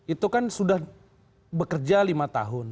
itu kan sudah bekerja lima tahun